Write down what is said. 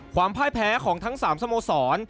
พ่ายแพ้ของทั้ง๓สโมสร